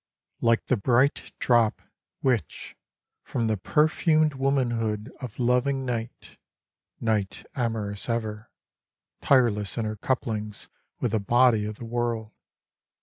LIKE the bright drop Which, from the perfumed womanhood Of loving night, Night amorous ever. Tireless in her couplings With the body of the world.